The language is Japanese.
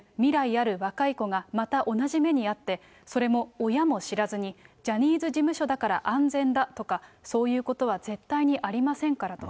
ある若い子が、また同じ目に遭って、それも親も知らずに、ジャニーズ事務所だから安全だとか、そういうことは絶対にありませんからと。